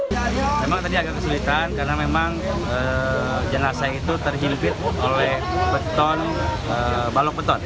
memang tadi agak kesulitan karena memang jenazah itu terhimpit oleh beton balok beton